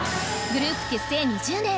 グループ結成２０年。